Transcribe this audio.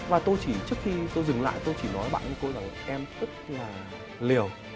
và tôi chỉ trước khi tôi dừng lại tôi chỉ nói với bạn ấy em rất là liều